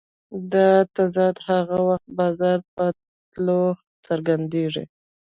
دا تضاد هغه وخت بازار ته په تلو څرګندېږي